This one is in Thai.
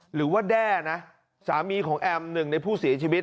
แด้นะสามีของแอมหนึ่งในผู้เสียชีวิต